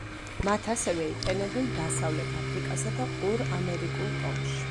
მათ ასევე იყენებენ დასავლეთ აფრიკასა და ორ ამერიკულ ტომში.